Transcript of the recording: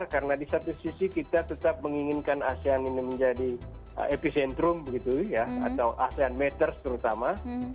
karena di satu sisi kita tetap menginginkan asean ini menjadi epicentrum atau asean matters terutama